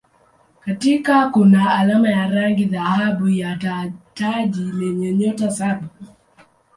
Katikati kuna alama ya rangi dhahabu ya taji lenye nyota saba.